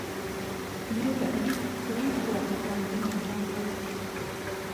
இருவரும் வெளிப்புறம் வந்து நின்றார்கள்.